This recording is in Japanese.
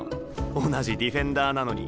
同じディフェンダーなのに。